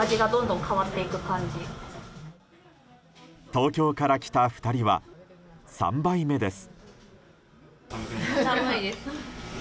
東京から来た２人は３杯目です。